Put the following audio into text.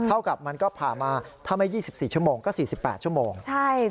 เท่ากับมันก็ผ่ามาถ้าไม่ยี่สิบสี่ชั่วโมงก็สี่สิบแปดชั่วโมงใช่